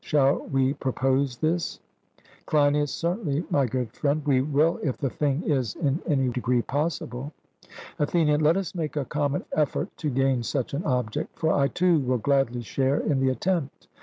Shall we propose this? CLEINIAS: Certainly, my good friend, we will if the thing is in any degree possible. ATHENIAN: Let us make a common effort to gain such an object; for I too will gladly share in the attempt.